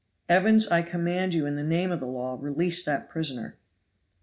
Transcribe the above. Evans, I command you, in the name of the law, release that prisoner."